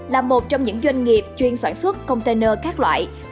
là một trong những doanh nghiệp chuyên soạn xuất container các loại